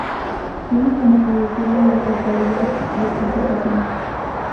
Tiene como cabecera a la localidad de Constitución.